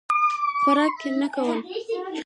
خوراک نه کول.